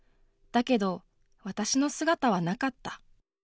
だけど私の姿はなかった。